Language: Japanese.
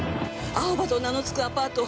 アオバと名の付くアパート